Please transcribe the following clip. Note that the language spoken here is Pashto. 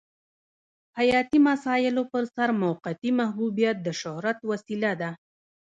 حیاتي مسایلو پرسر موقتي محبوبیت د شهرت وسیله ده.